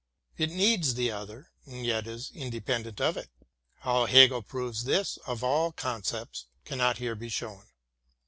It needs the other, and yet is independent of it. How Hegel proves this of all concepts, cannot here be shown.